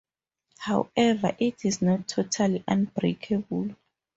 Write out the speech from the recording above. However, it is not totally unbreakable.